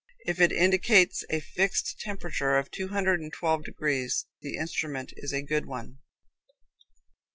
If it indicates a fixed temperature of two hundred and twelve degrees, the instrument is a good one.